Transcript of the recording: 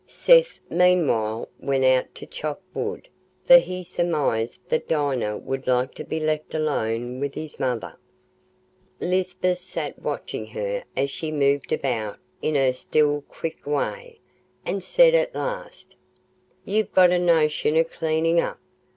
Seth, meanwhile, went out to chop wood, for he surmised that Dinah would like to be left alone with his mother. Lisbeth sat watching her as she moved about in her still quick way, and said at last, "Ye've got a notion o' cleanin' up.